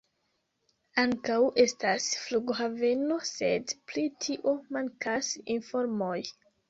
Ankaŭ estas flughaveno, sed pri tio mankas informoj.